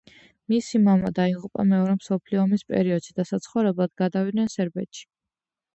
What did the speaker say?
მისი მამა დაიღუპა მეორე მსოფლიო ომის პერიოდში და საცხოვრებლად გადავიდნენ სერბეთში.